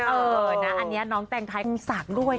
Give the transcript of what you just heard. อันนี้น้องแต่งไทยคงสักด้วย